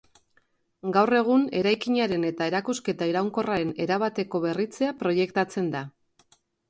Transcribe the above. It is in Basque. Gaur egun, eraikinaren eta erakusketa iraunkorraren erabateko berritzea proiektatzen da.